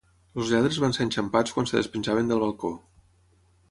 Els lladres van ser enxampats quan es despenjaven del balcó